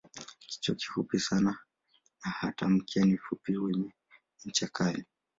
Kichwa ni kifupi sana na hata mkia ni mfupi wenye ncha kali.